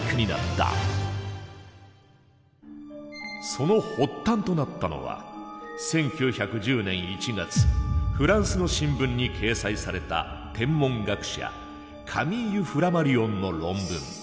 その発端となったのは１９１０年１月フランスの新聞に掲載された天文学者カミーユ・フラマリオンの論文。